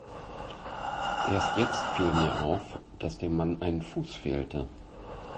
Erst jetzt fiel mir auf, dass dem Mann ein Fuß fehlte.